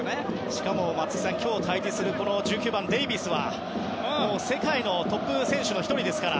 しかも松木さん今日対峙する１９番のデイビスは世界のトップ選手の１人ですから。